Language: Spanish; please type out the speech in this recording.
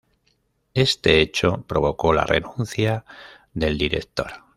Este hecho provocó la renuncia del director.